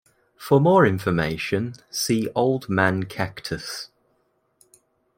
For more information see Old-Man Cactus.